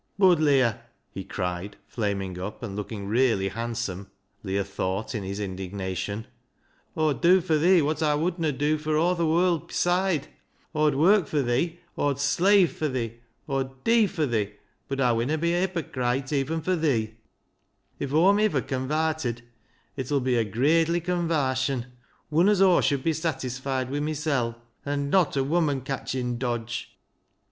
Bud, Leah," he cried, flaming up and looking really handsome, Leah thought, in his indignation, —" Aw'd dew fur thee wot Aw wouldna dew fur aw th' wold beside. Aw'd work fur thee, Aw'd slave fur thee, Aw'd dee fur thee, bud Aw winna be a hypocryte even fur thee. If Aw'm iver con varted it ull be a gradely convarsion, wun as Aw should be satisfied wi' mysel', an' not a woman catching dodge."